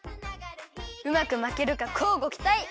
うまくまけるかこうごきたい！